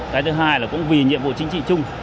cái thứ hai là cũng vì nhiệm vụ chính trị chung